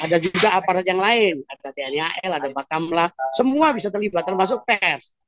ada juga aparat yang lain ada tni al ada bakamla semua bisa terlibat termasuk pers